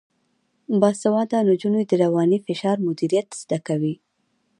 باسواده نجونې د رواني فشار مدیریت زده کوي.